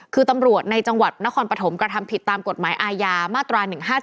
คือตำรวจในจังหวัดนครปฐมกระทำผิดตามกฎหมายอาญามาตรา๑๕๗